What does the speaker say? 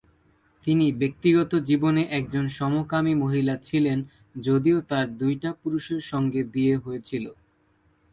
তিনি ব্যক্তিগত জীবনে একজন সমকামী মহিলা ছিলেন যদিও তার দুইটা পুরুষের সঙ্গে বিয়ে হয়েছিলো।